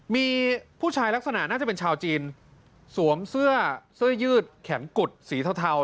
มีผู้ชายลักษณะน่าจะเป็นชาวจีนสวมเสื้อเสื้อยืดแขนกุดสีเทา